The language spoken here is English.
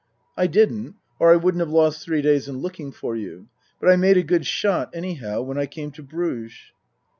" I didn't or I wouldn't have lost three days in looking for you. But I made a good shot, anyhow, when I came to Bruges."